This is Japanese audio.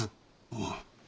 ああ。